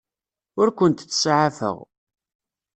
Ur kent-ttsaɛafeɣ.